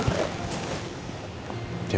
mukanya kayak gak asing ya